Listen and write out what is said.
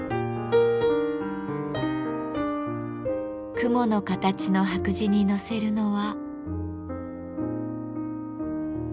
雲の形の白磁に載せるのは。